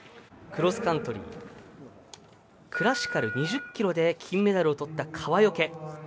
クロスカントリークラシカル２０ｋｍで金メダルをとった川除。